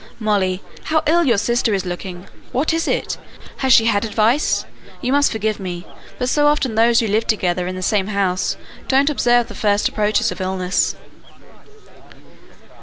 "Molly, how ill your sister is looking! What is it? Has she had advice? You must forgive me, but so often those who live together in the same house don't observe the first approaches of illness."